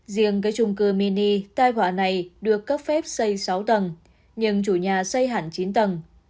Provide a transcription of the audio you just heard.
riêng cái trung cư mini tai hỏa này được cấp phép xây sáu tầng nhưng chủ nhà xây hẳn chín tầng